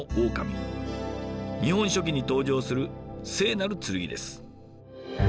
「日本書紀」に登場する聖なる剣です。